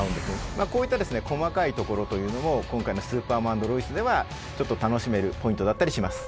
まあこういった細かいところというのも今回の「スーパーマン＆ロイス」ではちょっと楽しめるポイントだったりします。